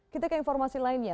kita ke informasi lainnya